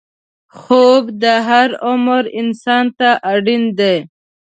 خوب د هر عمر انسان ته اړین دی